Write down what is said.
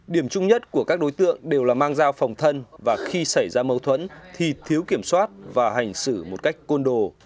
điểm chung nhất của các đối tượng đều là mang dao phòng thân và khi xảy ra mâu thuẫn thì thiếu kiểm soát và hành xử một cách côn đồ